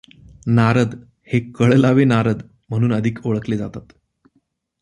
नारद हे कळलावे नारद म्हणून अधिक ओळखले जातात.